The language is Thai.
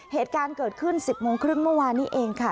เหตุการณ์เกิดขึ้น๑๐โมงครึ่งเมื่อวานนี้เองค่ะ